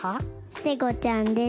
ステゴちゃんです。